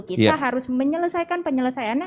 kita harus menyelesaikan penyelesaiannya